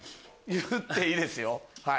言っていいですよ。